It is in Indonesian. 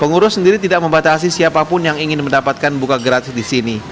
pengurus sendiri tidak membatasi siapapun yang ingin mendapatkan buka gratis di sini